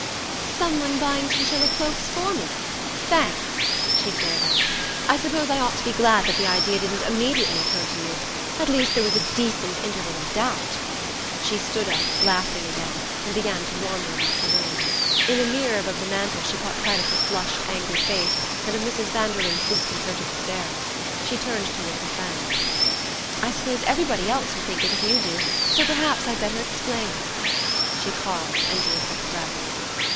"Someone buying chinchilla cloaks for me? Thanks!" she flared out. "I suppose I ought to be glad that the idea didn't immediately occur to you. At least there was a decent interval of doubt...." She stood up, laughing again, and began to wander about the room. In the mirror above the mantel she caught sight of her flushed angry face, and of Mrs. Vanderlyn's disconcerted stare. She turned toward her friend. "I suppose everybody else will think it if you do; so perhaps I'd better explain." She paused, and drew a quick breath.